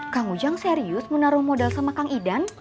kang ujang serius mau naruh modal sama kang idan